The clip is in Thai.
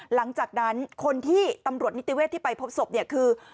หลังจากนั้นคนที่ตำรวจนิติเวศที่ไปพบศพเนี่ยคือ